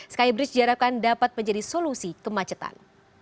skybridge diharapkan dapat menjadi solusi kemacetan